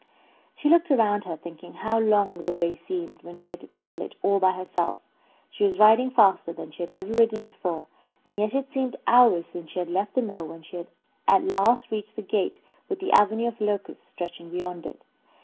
She looked around her, thinking how long the way seemed when she had to travel it all by herself. She was riding faster than she had ever ridden before, and yet it seemed hours since she had left the mill when she at last reached the great gate with the avenue of locusts stretching beyond it.